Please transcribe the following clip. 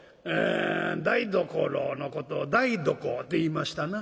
台所のことを台所って言いましたな。